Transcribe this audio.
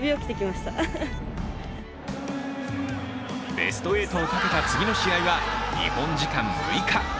ベスト８をかけた次の試合は日本時間６日。